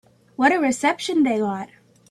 What a reception they got.